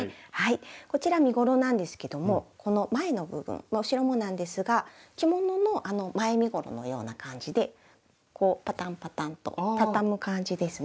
こちら身ごろなんですけどもこの前の部分後ろもなんですが着物の前身ごろのような感じでこうパタンパタンと畳む感じですね。